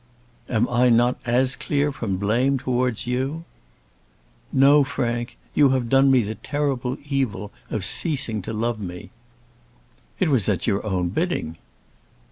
"Am I not as clear from blame towards you?" "No, Frank. You have done me the terrible evil of ceasing to love me." "It was at your own bidding."